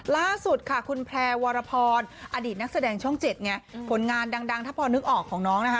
ล่าสุดค่ะคุณแพร่วรพรอดีตนักแสดงช่อง๗ไงผลงานดังถ้าพอนึกออกของน้องนะคะ